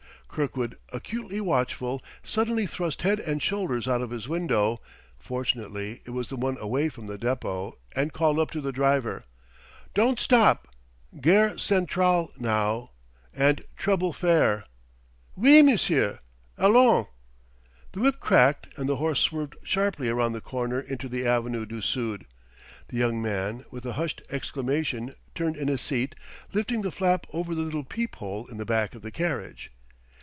Kirkwood, acutely watchful, suddenly thrust head and shoulders out of his window (fortunately it was the one away from the depot), and called up to the driver. "Don't stop! Gare Centrale now and treble fare!" "Oui, M'sieu'! Allons!" The whip cracked and the horse swerved sharply round the corner into the Avenue du Sud. The young man, with a hushed exclamation, turned in his seat, lifting the flap over the little peephole in the back of the carriage.